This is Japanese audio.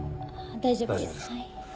大丈夫ですか。